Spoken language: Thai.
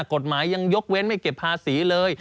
กฎหมายยังยกเว้นไม่เก็บภาษีเลย